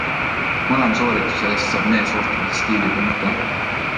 Mõlema soorituse eest saab mees ohtralt stiilipunkte.